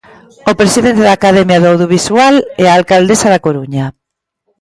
O presidente da Academia do Audiovisual e a alcaldesa da Coruña.